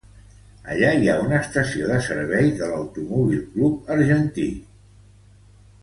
Allà hi ha una estació de servici de l'Automóvil Club Argentino.